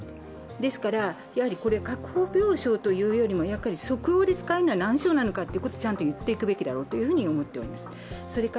ですから、確保病床というよりも即応で使うのは何床なのかちゃんと言っていくべきだろうと思います。